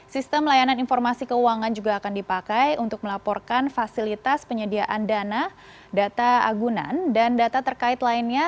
sistem layanan informasi keuangan juga akan dipakai untuk melaporkan fasilitas penyediaan dana data agunan dan data terkait lainnya